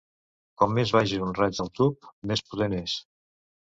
Com més baix és un raig al tub, més potent és.